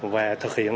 và thực hiện